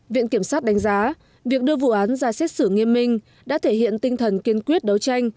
viện kiểm sát đánh giá việc đưa vụ án ra xét xử nghiêm minh đã thể hiện tinh thần kiên quyết đấu tranh